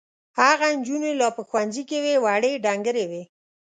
هغه نجونې لا په ښوونځي کې وې وړې ډنګرې وې.